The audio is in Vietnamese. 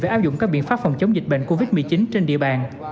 phải áp dụng các biện pháp phòng chống dịch bệnh covid một mươi chín trên địa bàn